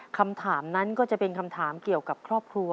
คำถามนั้นก็จะเป็นคำถามเกี่ยวกับครอบครัว